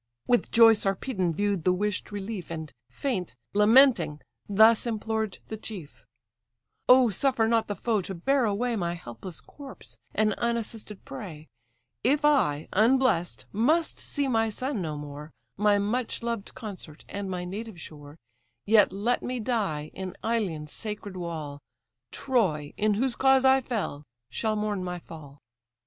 With joy Sarpedon view'd the wish'd relief, And, faint, lamenting, thus implored the chief: "O suffer not the foe to bear away My helpless corpse, an unassisted prey; If I, unbless'd, must see my son no more, My much loved consort, and my native shore, Yet let me die in Ilion's sacred wall; Troy, in whose cause I fell, shall mourn my fall."